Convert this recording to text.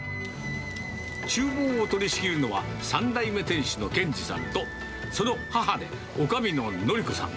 ちゅう房を取りしきるのは、３代目店主の賢治さんと、その母でおかみの紀子さん。